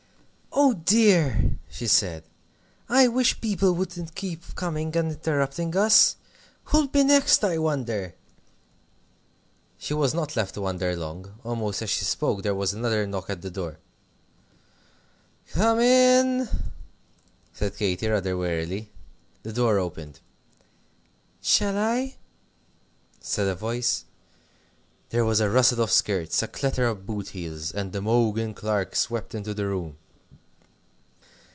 "Oh dear!" she said, "I wish people wouldn't keep coming and interrupting us. Who'll be the next, I wonder?" She was not left to wonder long. Almost as she spoke, there was another knock at the door. "Come in!" said Katy, rather wearily. The door opened. "Shall I?" said a voice. There was a rustle of skirts, a clatter of boot heels, and Imogen Clark swept into the room.